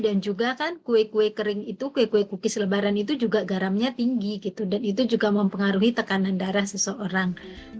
dan juga kan kue kue kering itu kue kue kukis lebaran itu juga garamnya tinggi gitu dan itu juga mempengaruhi tekanan darah seseorang